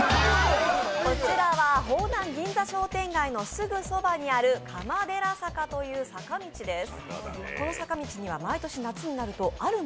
こちらは方南銀座商店街のすぐそばにある釜寺坂という坂道です。